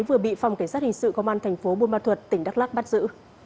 vừa bị phòng cảnh sát hình sự công an thành phố buôn ma thuật tỉnh đắk lắc bắt giữ